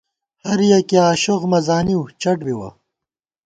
ہریَکِیہ آشوخ مہ زانِؤ ، چٹ بِوَہ